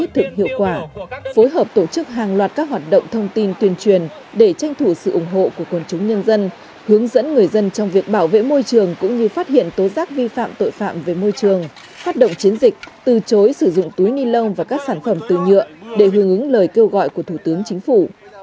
phối hợp tổ chức hàng loạt các hoạt động thông tin tuyên truyền để tranh thủ sự ủng hộ của quân chúng nhân dân hướng dẫn người dân trong việc bảo vệ môi trường cũng như phát hiện tố giác vi phạm tội phạm về môi trường phát động chiến dịch từ chối sử dụng túi ni lông và các sản phẩm từ nhựa để hướng ứng lời kêu gọi của thủ tướng chính phủ